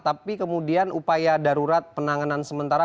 tapi kemudian upaya darurat penanganan sementara